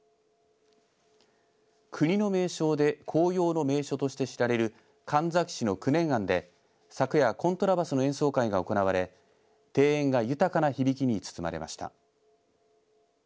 国の名勝で紅葉の名所として知られる神埼市の九年庵で昨夜コントラバスの演奏会が行われ庭園が豊かな響きに包まれました。